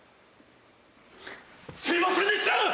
すいませんでした！